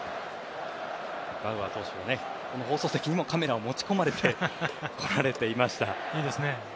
バウアー投手は放送席にもカメラを持ち込まれてきていました。